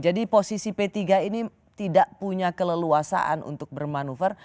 jadi posisi p tiga ini tidak punya keleluasaan untuk bermanuver